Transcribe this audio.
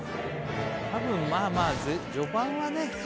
多分まぁまぁ序盤はね。